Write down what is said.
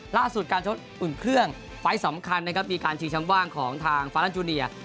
ล่าสุดการชกอุ่นเครื่องไฟล์ตสำคัญมีการชีชำว่างของทางฟารั้นด์จูนิอ